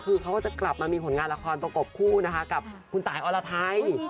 คือเขาก็จะกลับมามีผลงานละครประกบคู่นะคะกับคุณตายอรไทย